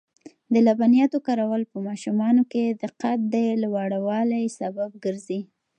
د لبنیاتو کارول په ماشومانو کې د قد د لوړوالي سبب ګرځي.